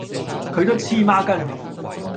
佢都黐孖根